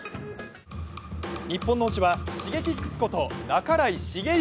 日本の星はＳｈｉｇｅｋｉｘこと半井重幸。